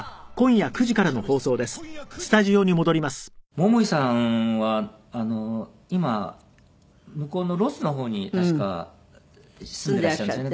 桃井さんは今向こうのロスの方に確か住んでらっしゃるんですよね。